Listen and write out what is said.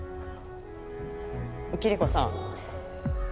キリコさん